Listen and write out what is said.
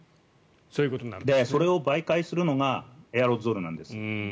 それを媒介するのがエアロゾルなんです。